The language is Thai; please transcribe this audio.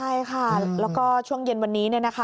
ใช่ค่ะแล้วก็ช่วงเย็นวันนี้